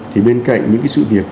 thì bên cạnh những cái sự việc